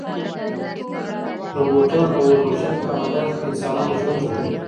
روبوټونه د اور وژنې په عملیاتو کې د انسانانو ژوند ژغوري.